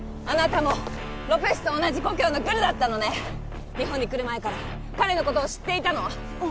あなたもロペスと同じ故郷のグルだったのね日本に来る前から彼のことを知っていたの？